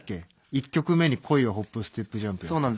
１曲目に「恋はホップステップジャンプ」やったの。